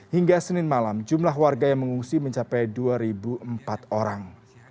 hingga senin malam jumlah warga yang mengungsi mencapai dua empat orang